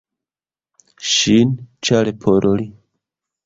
Ŝin, ĉar por li.